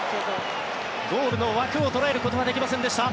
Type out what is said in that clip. ゴールの枠を捉えることはできませんでした。